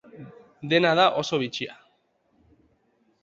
Dena da oso bitxia.